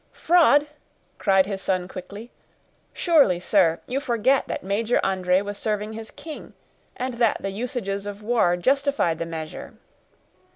"Fraud!" cried his son quickly. "Surely, sir, you forget that Major André was serving his king, and that the usages of war justified the measure."